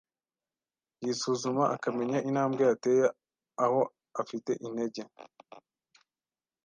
yisuzuma akamenya intambwe yateye, aho afi te intege